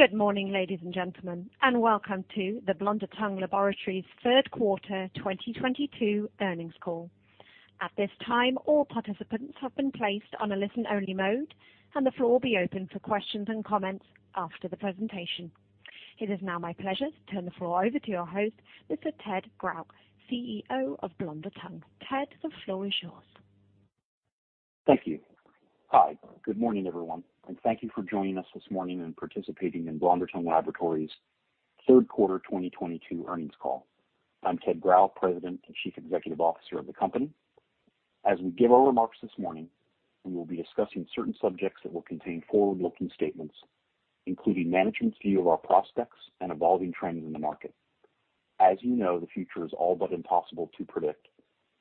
Good morning, ladies and gentlemen, and welcome to the Blonder Tongue Laboratories third quarter 2022 earnings call. At this time, all participants have been placed on a listen-only mode, and the floor will be open for questions and comments after the presentation. It is now my pleasure to turn the floor over to your host, Mr. Ted Grauch, CEO of Blonder Tongue Laboratories. Ted, the floor is yours. Thank you. Hi. Good morning, everyone, and thank you for joining us this morning and participating in Blonder Tongue Laboratories third quarter 2022 earnings call. I'm Ted Grauch, President and Chief Executive Officer of the company. As we give our remarks this morning, we will be discussing certain subjects that will contain forward-looking statements, including management's view of our prospects and evolving trends in the market. As you know, the future is all but impossible to predict,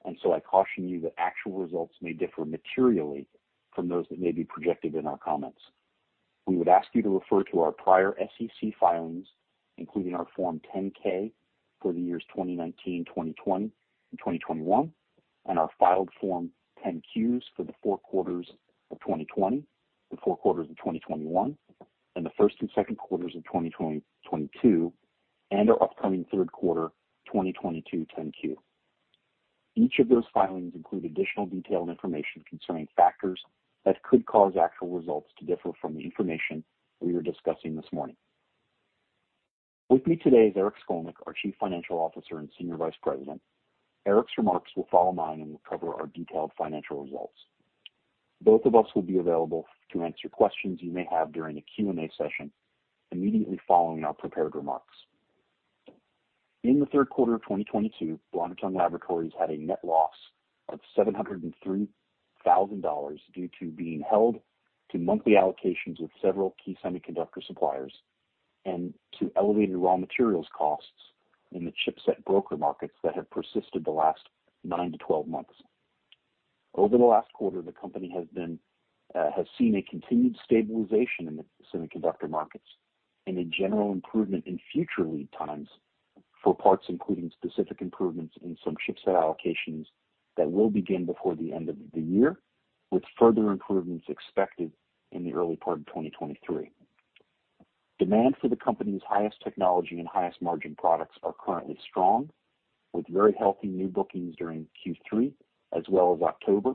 and so I caution you that actual results may differ materially from those that may be projected in our comments. We would ask you to refer to our prior SEC filings, including our Form 10-K for the years 2019, 2020, and 2021, and our filed Form 10-Qs for the four quarters of 2020, the four quarters of 2021, and the first and second quarters of 2022, and our upcoming third quarter 2022 10-Q. Each of those filings include additional detailed information concerning factors that could cause actual results to differ from the information we are discussing this morning. With me today is Eric Skolnik, our Chief Financial Officer and Senior Vice President. Eric's remarks will follow mine and will cover our detailed financial results. Both of us will be available to answer questions you may have during the Q&A session immediately following our prepared remarks. In the third quarter of 2022, Blonder Tongue Laboratories had a net loss of $703,000 due to being held to monthly allocations with several key semiconductor suppliers and to elevated raw materials costs in the chipset broker markets that have persisted the last 9-12 months. Over the last quarter, the company has seen a continued stabilization in the semiconductor markets and a general improvement in future lead times for parts, including specific improvements in some chipset allocations that will begin before the end of the year, with further improvements expected in the early part of 2023. Demand for the company's highest technology and highest margin products are currently strong, with very healthy new bookings during Q3 as well as October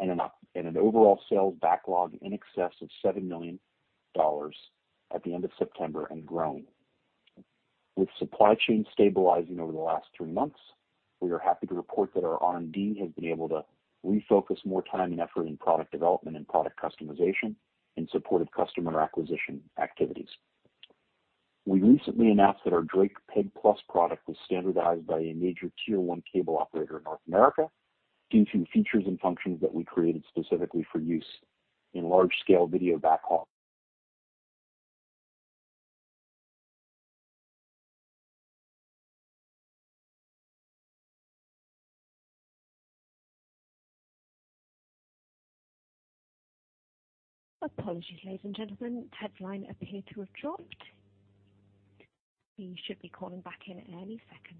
and an overall sales backlog in excess of $7 million at the end of September and growing. With supply chain stabilizing over the last three months, we are happy to report that our R&D has been able to refocus more time and effort in product development and product customization in support of customer acquisition activities. We recently announced that our Drake PEG PLUS product was standardized by a major tier one cable operator in North America due to features and functions that we created specifically for use in large-scale video backhaul. Apologies, ladies and gentlemen. Ted's line appeared to have dropped. He should be calling back in at any second.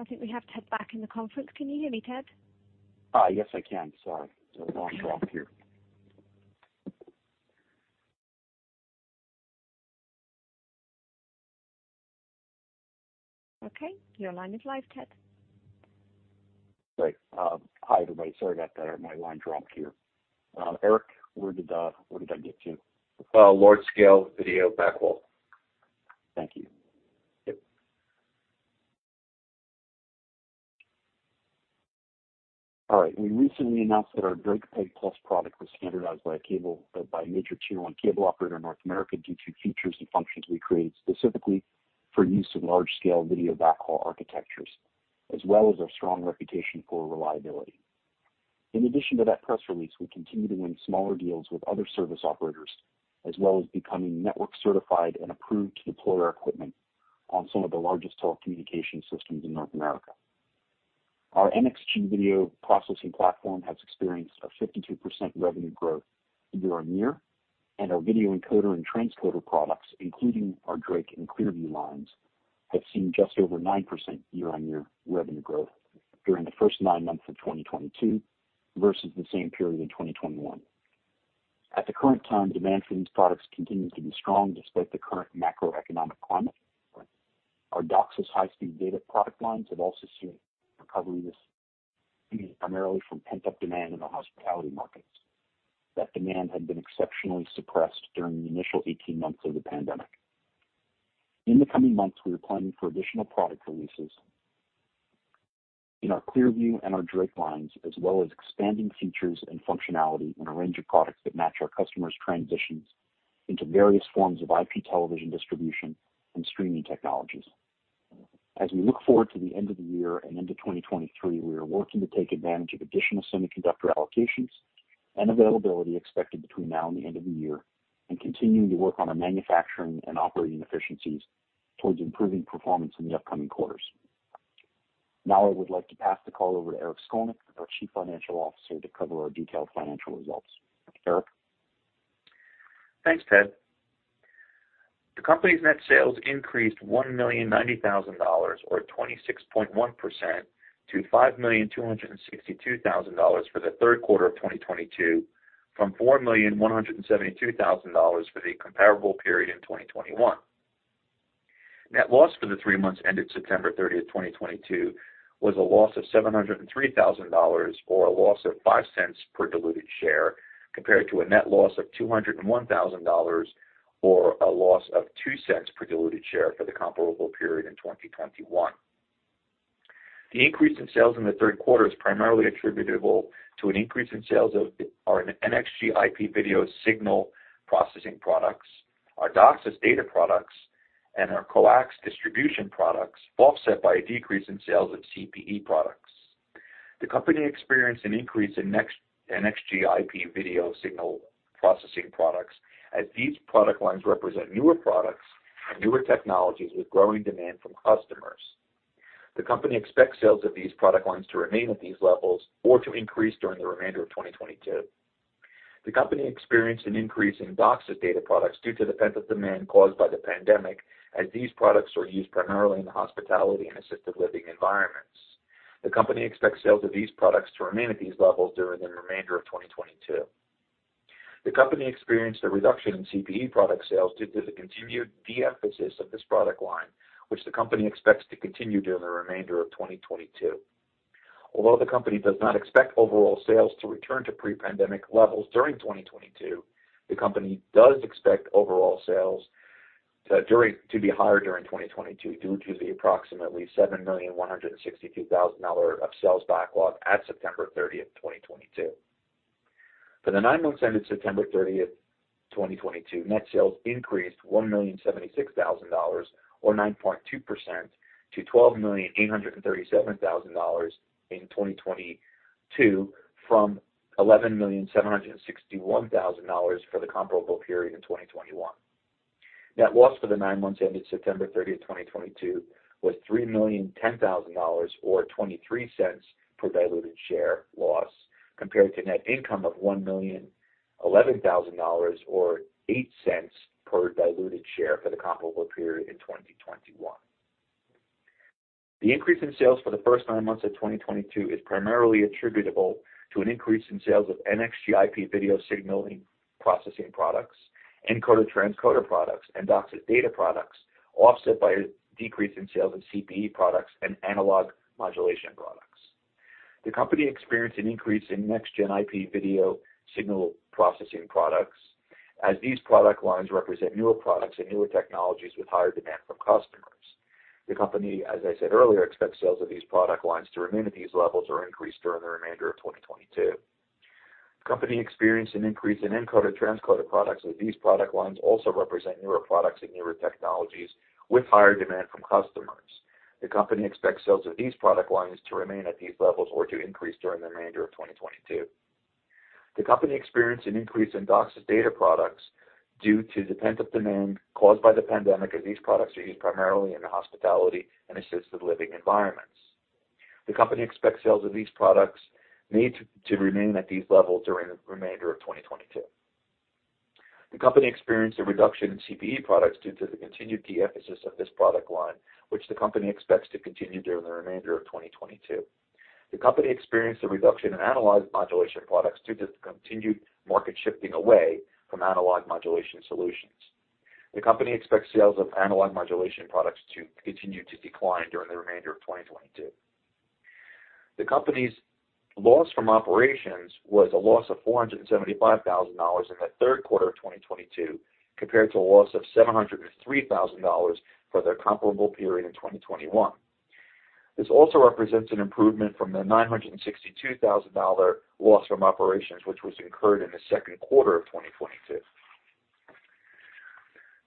I think we have Ted back in the conference. Can you hear me, Ted? Yes, I can. Sorry. My line dropped here. Okay. Your line is live, Ted. Great. Hi, everybody. Sorry about that. My line dropped here. Eric, where did I get to? Large-scale video backhaul. Thank you. Yep. All right. We recently announced that our Drake PEG PLUS product was standardized by a major tier one cable operator in North America due to features and functions we created specifically for use in large-scale video backhaul architectures, as well as our strong reputation for reliability. In addition to that press release, we continue to win smaller deals with other service operators, as well as becoming network certified and approved to deploy our equipment on some of the largest telecommunication systems in North America. Our NXG video processing platform has experienced a 52% revenue growth year-on-year, and our video encoder and transcoder products, including our Drake and Clearview lines, have seen just over 9% year-on-year revenue growth during the first nine months of 2022 versus the same period in 2021. At the current time, demand for these products continues to be strong despite the current macroeconomic climate. Our DOCSIS high-speed data product lines have also seen recovery this year, primarily from pent-up demand in the hospitality markets. That demand had been exceptionally suppressed during the initial 18 months of the pandemic. In the coming months, we are planning for additional product releases. In our Clearview and our Drake lines, as well as expanding features and functionality in a range of products that match our customers' transitions into various forms of IP television distribution and streaming technologies. As we look forward to the end of the year and into 2023, we are working to take advantage of additional semiconductor allocations and availability expected between now and the end of the year, and continuing to work on our manufacturing and operating efficiencies towards improving performance in the upcoming quarters. Now I would like to pass the call over to Eric Skolnik, our Chief Financial Officer, to cover our detailed financial results. Eric? Thanks, Ted. The company's net sales increased $1,090,000, or 26.1% to $5,262,000 for the third quarter of 2022, from $4,172,000 for the comparable period in 2021. Net loss for the three months ended September 30, 2022 was a loss of $703,000, or a loss of $0.05 per diluted share, compared to a net loss of $201,000, or a loss of $0.02 per diluted share for the comparable period in 2021. The increase in sales in the third quarter is primarily attributable to an increase in sales of our NXG IP video signal processing products, our DOCSIS data products, and our coax distribution products, offset by a decrease in sales of CPE products. The company experienced an increase in NXG IP video signal processing products, as these product lines represent newer products and newer technologies with growing demand from customers. The company expects sales of these product lines to remain at these levels or to increase during the remainder of 2022. The company experienced an increase in DOCSIS data products due to the pent-up demand caused by the pandemic, as these products are used primarily in the hospitality and assisted living environments. The company expects sales of these products to remain at these levels during the remainder of 2022. The company experienced a reduction in CPE product sales due to the continued de-emphasis of this product line, which the company expects to continue during the remainder of 2022. Although the company does not expect overall sales to return to pre-pandemic levels during 2022, the company does expect overall sales to be higher during 2022 due to the approximately $7.162 million of sales backlog at September 30, 2022. For the nine months ended September 30, 2022, net sales increased $1.076 million, or 9.2% to $12.837 million in 2022, from $11.761 million for the comparable period in 2021. Net loss for the nine months ended September 30, 2022 was $3.01 million, or $0.23 per diluted share loss, compared to net income of $1.011 million, or $0.08 per diluted share for the comparable period in 2021. The increase in sales for the first nine months of 2022 is primarily attributable to an increase in sales of NXG IP video signal processing products, encoder/transcoder products, and DOCSIS data products, offset by a decrease in sales of CPE products and analog modulation products. The company experienced an increase in next-gen IP video signal processing products, as these product lines represent newer products and newer technologies with higher demand from customers. The company, as I said earlier, expects sales of these product lines to remain at these levels or increase during the remainder of 2022. The company experienced an increase in encoder/transcoder products, as these product lines also represent newer products and newer technologies with higher demand from customers. The company expects sales of these product lines to remain at these levels or to increase during the remainder of 2022. The company experienced an increase in DOCSIS data products due to the pent-up demand caused by the pandemic, as these products are used primarily in the hospitality and assisted living environments. The company expects sales of these products need to remain at these levels during the remainder of 2022. The company experienced a reduction in CPE products due to the continued de-emphasis of this product line, which the company expects to continue during the remainder of 2022. The company experienced a reduction in analog modulation products due to the continued market shifting away from analog modulation solutions. The company expects sales of analog modulation products to continue to decline during the remainder of 2022. The company's loss from operations was a loss of $475 thousand in the third quarter of 2022, compared to a loss of $703 thousand for their comparable period in 2021. This also represents an improvement from the $962 thousand loss from operations, which was incurred in the second quarter of 2022.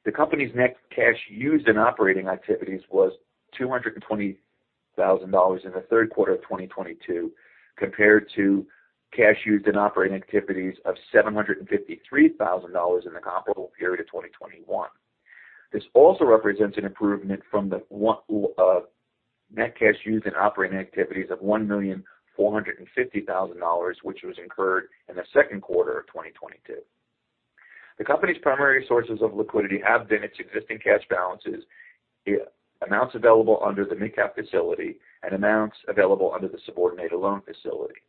The company's net cash used in operating activities was $220 thousand in the third quarter of 2022, compared to cash used in operating activities of $753 thousand in the comparable period of 2021. This also represents an improvement from net cash used in operating activities of $1.45 million, which was incurred in the second quarter of 2022. The company's primary sources of liquidity have been its existing cash balances, amounts available under the MidCap facility, and amounts available under the subordinate loan facility.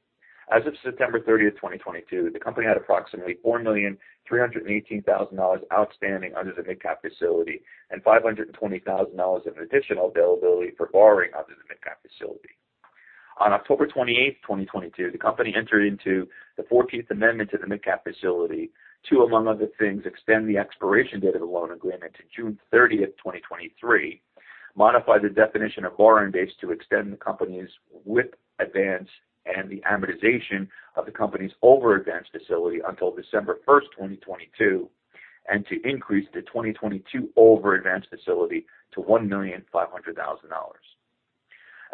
As of September 30, 2022, the company had approximately $4,318,000 outstanding under the MidCap facility, and $520,000 of additional availability for borrowing under the MidCap facility. On October 28, 2022, the company entered into the fourteenth amendment to the MidCap facility to, among other things, extend the expiration date of the loan agreement to June 30, 2023. Modify the definition of borrowing base to extend the company's revolver advance and the amortization of the company's over-advance facility until December 1, 2022, and to increase the 2022 over-advance facility to $1,500,000.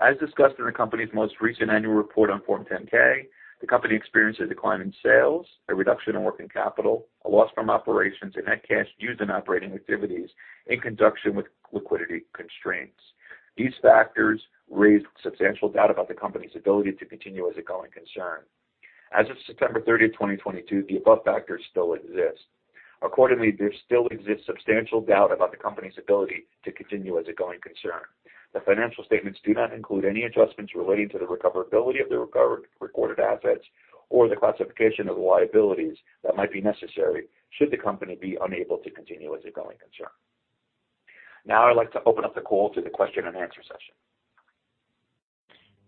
As discussed in the company's most recent annual report on Form 10-K, the company experienced a decline in sales, a reduction in working capital, a loss from operations, and net cash used in operating activities in conjunction with liquidity constraints. These factors raised substantial doubt about the company's ability to continue as a going concern. As of September 30, 2022, the above factors still exist. Accordingly, there still exists substantial doubt about the company's ability to continue as a going concern. The financial statements do not include any adjustments relating to the recoverability of the recorded assets or the classification of liabilities that might be necessary should the company be unable to continue as a going concern. Now I'd like to open up the call to the question and answer session.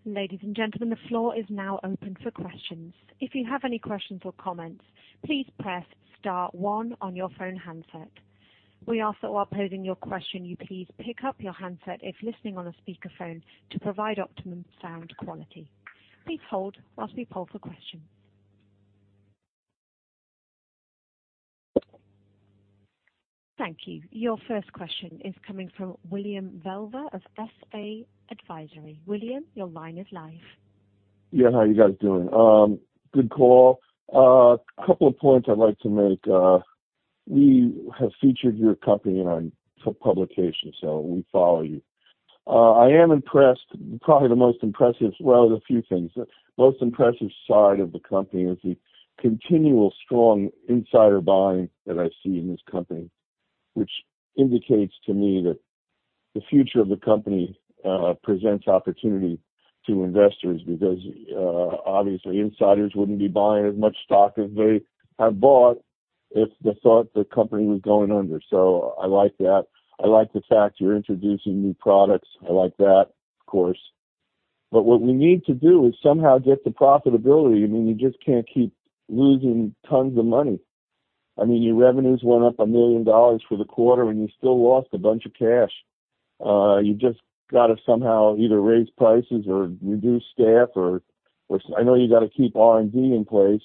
Ladies and gentlemen, the floor is now open for questions. If you have any questions or comments, please press star one on your phone handset. We ask that while posing your question, you please pick up your handset if listening on a speakerphone to provide optimum sound quality. Please hold while we poll for questions. Thank you. Your first question is coming from William Velmer of SBA Advisors. William, your line is live. Yeah. How you guys doing? Good call. A couple of points I'd like to make. We have featured your company in our publication, so we follow you. I am impressed. The most impressive side of the company is the continual strong insider buying that I see in this company, which indicates to me that the future of the company presents opportunity to investors because obviously insiders wouldn't be buying as much stock as they have bought if they thought the company was going under. I like that. I like the fact you're introducing new products. I like that, of course. What we need to do is somehow get to profitability. I mean, you just can't keep losing tons of money. I mean, your revenues went up $1 million for the quarter, and you still lost a bunch of cash. You just got to somehow either raise prices or reduce staff or I know you got to keep R&D in place,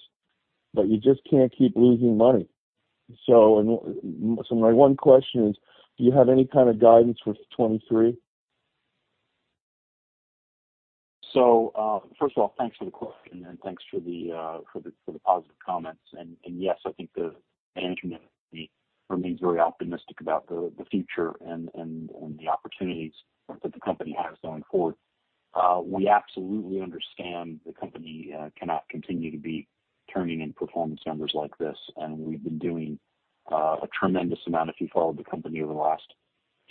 but you just can't keep losing money. My one question is, do you have any kind of guidance for 2023? First of all, thanks for the question, and thanks for the positive comments. Yes, I think the management remains very optimistic about the future and the opportunities that the company has going forward. We absolutely understand the company cannot continue to be turning in performance numbers like this. We've been doing a tremendous amount. If you followed the company over the last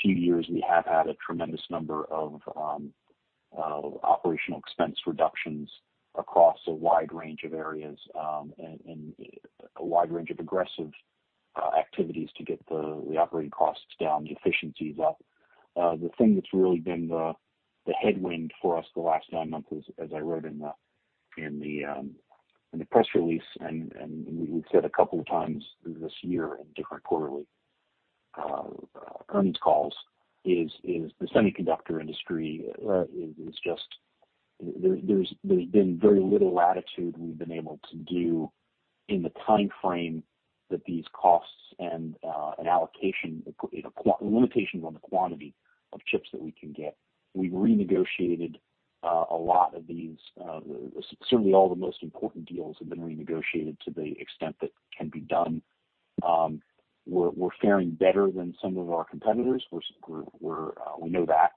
few years, we have had a tremendous number of operational expense reductions across a wide range of areas, and a wide range of aggressive activities to get the operating costs down, the efficiencies up. The thing that's really been the headwind for us the last nine months, as I wrote in the press release and we've said a couple of times this year in different quarterly earnings calls, is the semiconductor industry is just. There's been very little latitude we've been able to do in the time frame that these costs and an allocation limitations on the quantity of chips that we can get. We renegotiated a lot of these, certainly all the most important deals have been renegotiated to the extent that can be done. We know that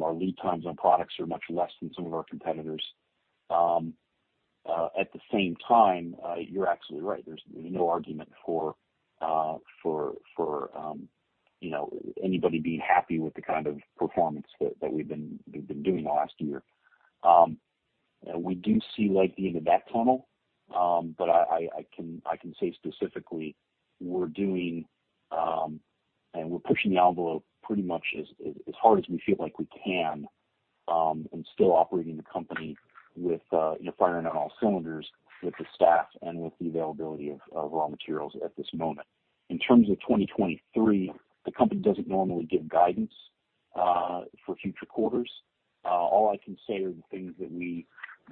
our lead times on products are much less than some of our competitors. At the same time, you're absolutely right. There's no argument for you know, anybody being happy with the kind of performance that we've been doing the last year. We do see light at the end of that tunnel. I can say specifically we're doing and we're pushing the envelope pretty much as hard as we feel like we can and still operating the company with you know, firing on all cylinders with the staff and with the availability of raw materials at this moment. In terms of 2023, the company doesn't normally give guidance for future quarters. All I can say are the things that we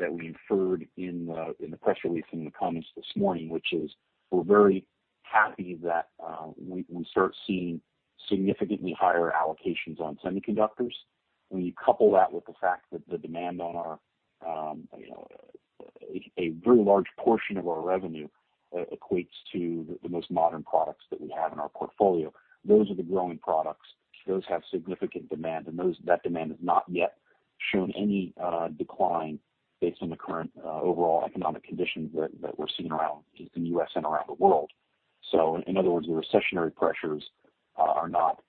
inferred in the press release, in the comments this morning, which is we're very happy that we start seeing significantly higher allocations on semiconductors. When you couple that with the fact that, you know, a very large portion of our revenue equates to the most modern products that we have in our portfolio. Those are the growing products. Those have significant demand, and that demand has not yet shown any decline based on the current overall economic conditions that we're seeing around, in the U.S. and around the world. In other words, the recessionary pressures are not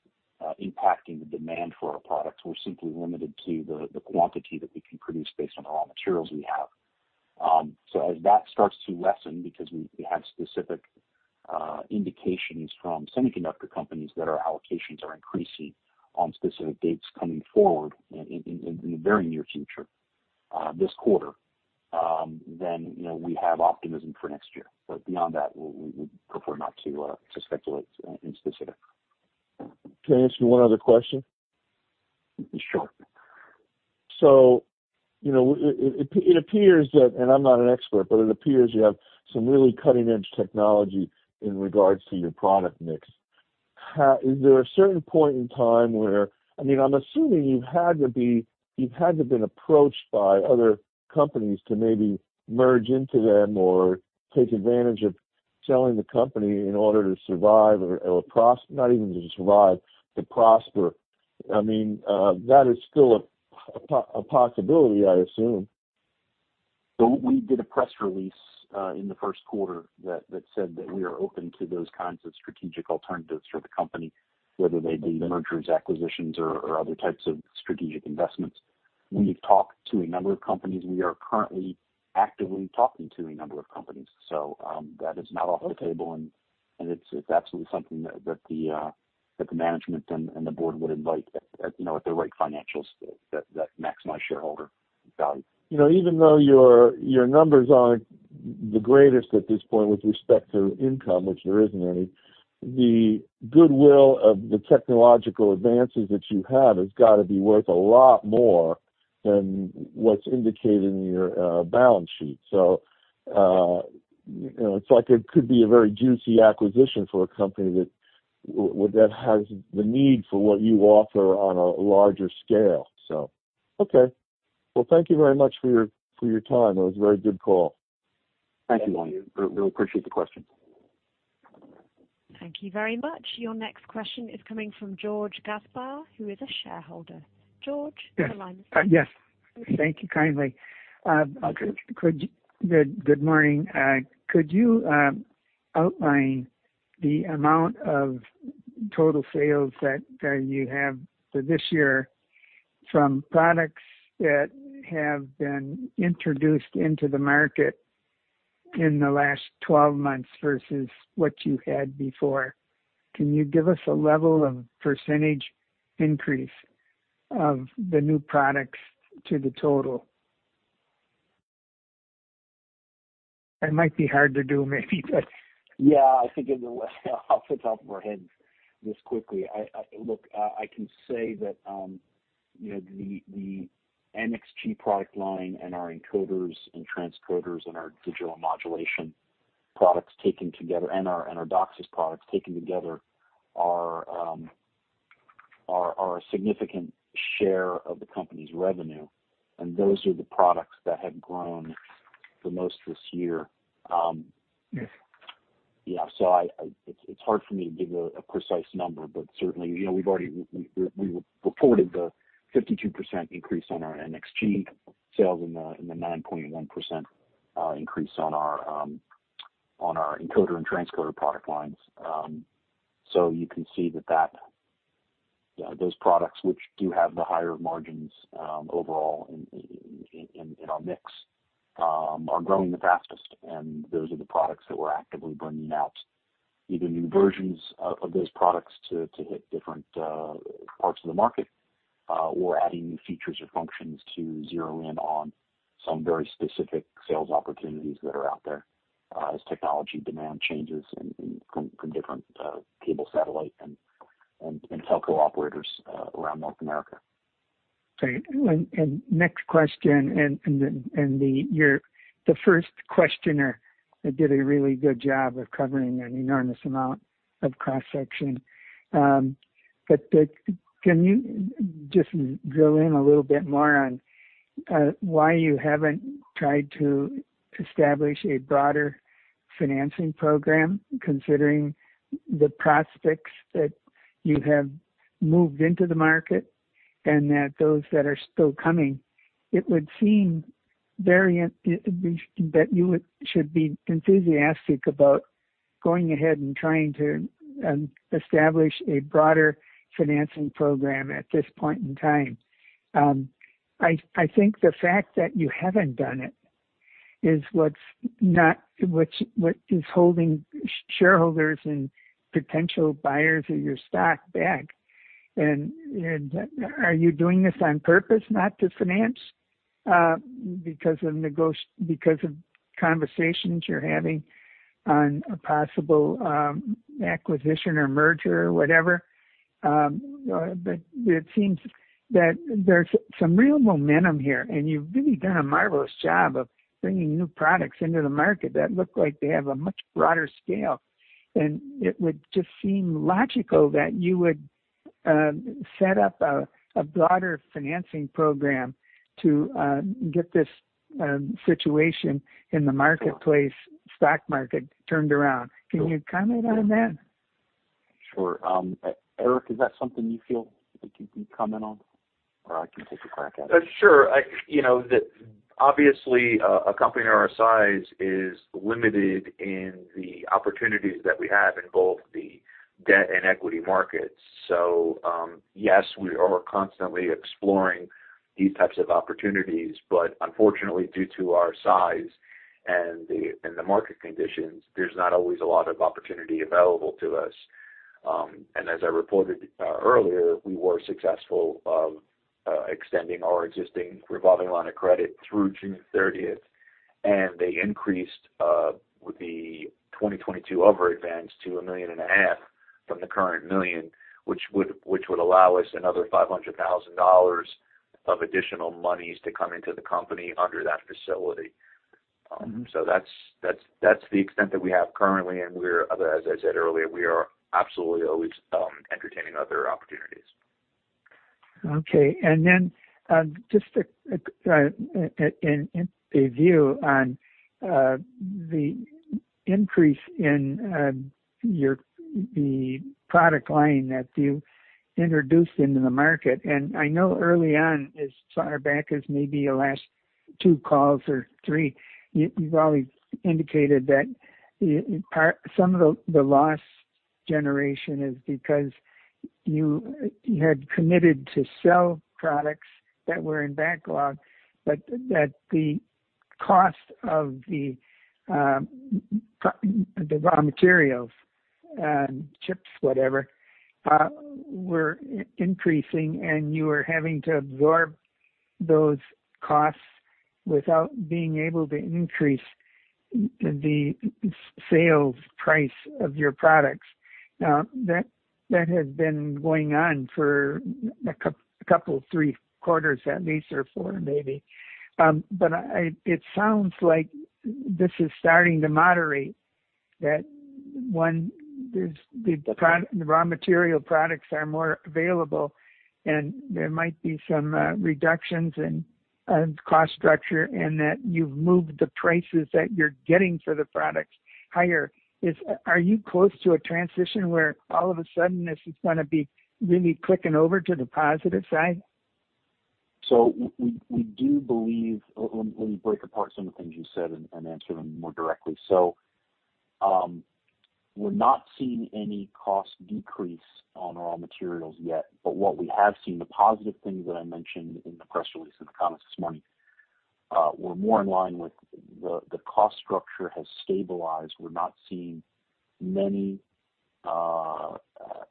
impacting the demand for our products. We're simply limited to the quantity that we can produce based on the raw materials we have. As that starts to lessen, because we have specific indications from semiconductor companies that our allocations are increasing on specific dates coming forward in the very near future. This quarter, you know, we have optimism for next year. Beyond that, we would prefer not to speculate in specific. Can I ask you one other question? Sure. You know, it appears that, and I'm not an expert, but it appears you have some really cutting-edge technology in regards to your product mix. Is there a certain point in time where I mean, I'm assuming you've had to been approached by other companies to maybe merge into them or take advantage of selling the company in order to survive or not even to survive, to prosper. I mean, that is still a possibility, I assume. We did a press release in the first quarter that said that we are open to those kinds of strategic alternatives for the company, whether they be mergers, acquisitions, or other types of strategic investments. We've talked to a number of companies. We are currently actively talking to a number of companies. That is not off the table, and it's absolutely something that the management and the board would invite at, you know, at the right financial that maximize shareholder value. You know, even though your numbers aren't the greatest at this point with respect to income, which there isn't any, the goodwill of the technological advances that you have has got to be worth a lot more than what's indicated in your balance sheet. You know, it's like it could be a very juicy acquisition for a company that has the need for what you offer on a larger scale. Okay. Well, thank you very much for your time. It was a very good call. Thank you. We appreciate the question. Thank you very much. Your next question is coming from George Gaspar, who is a shareholder. George, the line is. Yes. Thank you kindly. Good morning. Could you outline the amount of total sales that you have for this year from products that have been introduced into the market in the last 12 months versus what you had before? Can you give us a level of percentage increase of the new products to the total? It might be hard to do, maybe, but. Yeah, I think, in a way, off the top of our heads this quickly. Look, I can say that, you know, the NXG product line and our encoders and transcoders and our digital modulation products taken together, and our DOCSIS products taken together are a significant share of the company's revenue, and those are the products that have grown the most this year. Yes. Yeah. It's hard for me to give a precise number, but certainly, you know, we've already reported the 52% increase on our NXG sales and the 9.1% increase on our encoder and transcoder product lines. You can see that those products which do have the higher margins overall in our mix are growing the fastest, and those are the products that we're actively bringing out either new versions of those products to hit different parts of the market or adding new features or functions to zero in on some very specific sales opportunities that are out there as technology demand changes from different cable, satellite, and telco operators around North America. Great. The first questioner did a really good job of covering an enormous amount of cross-section. Can you just drill down a little bit more on why you haven't tried to establish a broader financing program, considering the prospects that you have moved into the market and that those that are still coming? It would seem very intuitive that you should be enthusiastic about going ahead and trying to establish a broader financing program at this point in time. I think the fact that you haven't done it is what is holding shareholders and potential buyers of your stock back. Are you doing this on purpose not to finance, because of conversations you're having on a possible acquisition or merger or whatever? It seems that there's some real momentum here, and you've really done a marvelous job of bringing new products into the market that look like they have a much broader scale. It would just seem logical that you would set up a broader financing program to get this situation in the marketplace stock market turned around. Sure. Can you comment on that? Sure. Eric, is that something you feel that you can comment on, or I can take a crack at it? Sure. Obviously, a company our size is limited in the opportunities that we have in both the debt and equity markets. Yes, we are constantly exploring these types of opportunities, but unfortunately, due to our size and the market conditions, there's not always a lot of opportunity available to us. As I reported earlier, we were successful extending our existing revolving line of credit through June thirtieth. They increased with the 2022 overadvance to $1.5 million from the current $1 million, which would allow us another $500,000 of additional monies to come into the company under that facility. That's the extent that we have currently, and we're as I said earlier we are absolutely always entertaining other opportunities. Okay. Just a view on the increase in your the product line that you introduced into the market. I know early on, as far back as maybe the last two calls or three, you've always indicated that part, some of the loss generation is because you had committed to sell products that were in backlog, but that the cost of the raw materials, chips, whatever, were increasing, and you were having to absorb those costs without being able to increase the sales price of your products. Now, that has been going on for a couple, three quarters at least, or four maybe. It sounds like this is starting to moderate. That one, the raw material products are more available, and there might be some reductions in cost structure, and that you've moved the prices that you're getting for the products higher. Are you close to a transition where all of a sudden this is gonna be really clicking over to the positive side? Let me break apart some of the things you said and answer them more directly. We're not seeing any cost decrease on raw materials yet, but what we have seen, the positive things that I mentioned in the press release and comments this morning, we're more in line with the cost structure has stabilized. We're not seeing many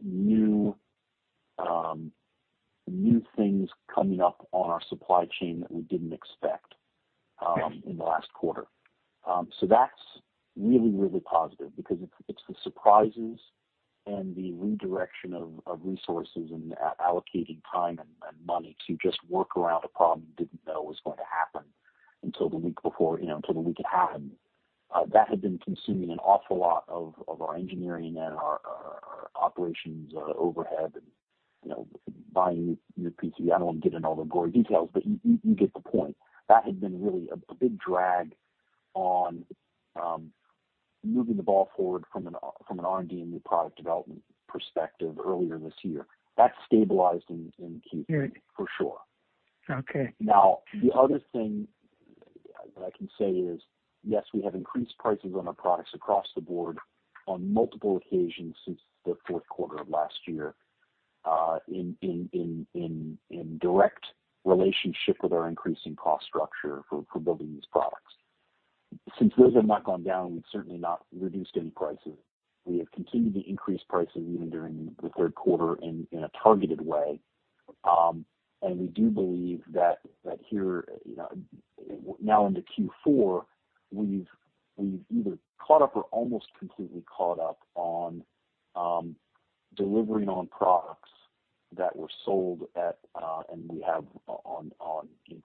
new things coming up on our supply chain that we didn't expect in the last quarter. That's really positive because it's the surprises and the redirection of resources and allocating time and money to just work around a problem you didn't know was going to happen until the week before, you know, until the week it happened. That had been consuming an awful lot of our engineering and our operations overhead and, you know, buying new PC. I don't wanna get in all the gory details, but you get the point. That had been really a big drag on moving the ball forward from an R&D and new product development perspective earlier this year. That's stabilized and key- Right. For sure. Okay. Now, the other thing I can say is, yes, we have increased prices on our products across the board on multiple occasions since the fourth quarter of last year, in direct relationship with our increasing cost structure for building these products. Since those have not gone down, we've certainly not reduced any prices. We have continued to increase prices even during the third quarter in a targeted way. We do believe that here, you know, now into Q4, we've either caught up or almost completely caught up on delivering on products that were sold at, and we have on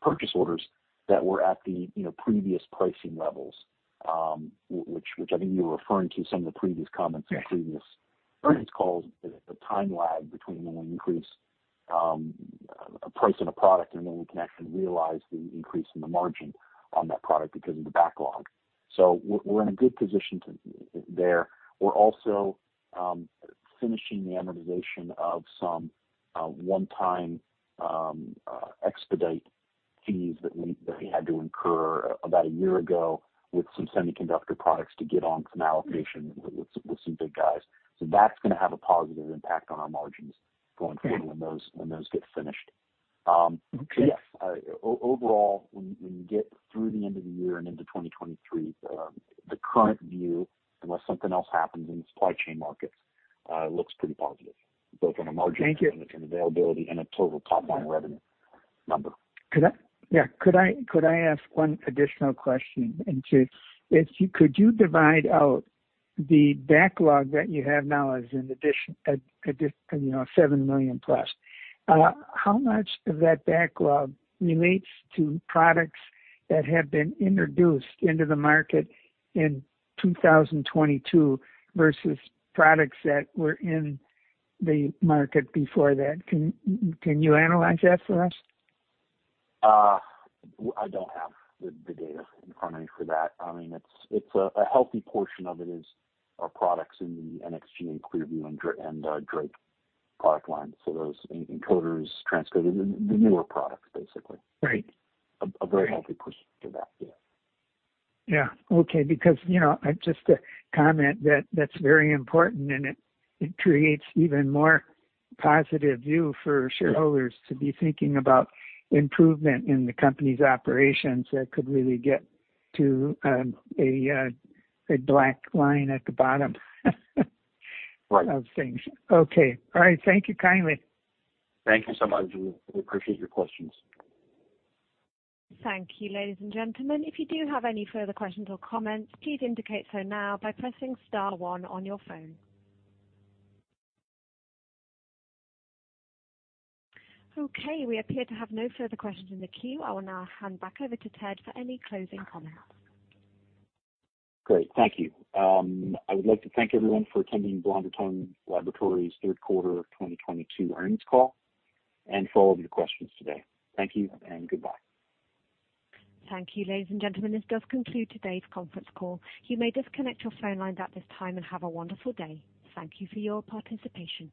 purchase orders that were at the previous pricing levels, which I think you were referring to some of the previous comments in previous earnings calls. The time lag between when we increase price on a product, and then we can actually realize the increase in the margin on that product because of the backlog. We're in a good position there. We're also finishing the amortization of some one-time expedite fees that we had to incur about a year ago with some semiconductor products to get on some allocation with some big guys. That's gonna have a positive impact on our margins going forward when those get finished. Yes. Overall, when you get through the end of the year and into 2023, the current view, unless something else happens in the supply chain markets, looks pretty positive, both on a margin- Thank you. availability and a total top-line revenue number. Could I ask one additional question? If you could divide out the backlog that you have now as an additional $7 million plus. How much of that backlog relates to products that have been introduced into the market in 2022 versus products that were in the market before that? Can you analyze that for us? I don't have the data in front of me for that. I mean, it's a healthy portion of it is our products in the NXG and Clearview and Drake product lines. Those encoders, transcoders, the newer products basically. Right. A very healthy portion of that, yeah. Yeah. Okay, because, you know, just a comment that that's very important, and it creates even more positive view for shareholders to be thinking about improvement in the company's operations that could really get to a black line at the bottom of things. Okay. All right. Thank you kindly. Thank you so much. We appreciate your questions. Thank you, ladies and gentlemen. If you do have any further questions or comments, please indicate so now by pressing star one on your phone. Okay, we appear to have no further questions in the queue. I will now hand back over to Ted for any closing comments. Great. Thank you. I would like to thank everyone for attending Blonder Tongue Laboratories' third quarter of 2022 earnings call and for all of your questions today. Thank you and goodbye. Thank you, ladies and gentlemen. This does conclude today's conference call. You may disconnect your phone lines at this time and have a wonderful day. Thank you for your participation.